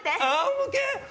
あおむけ？